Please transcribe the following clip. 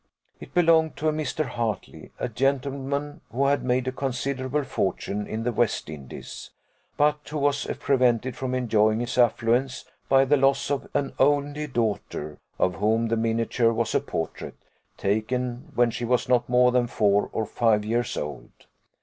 It belonged to a Mr. Hartley, a gentleman who had made a considerable fortune in the West Indies, but who was prevented from enjoying his affluence by the loss of an only daughter, of whom the miniature was a portrait, taken when she was not more than four or five years old.